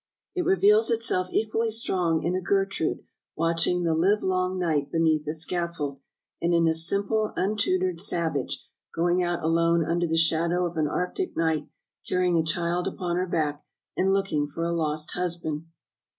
It reveals itself equally strong in a Gertrude watching the livelong night be neath a scaffold, and in a simple, untutored savage, going out alone under the shadow of an arctic night, ca.Trying a child upon her back and looking for a lost husband.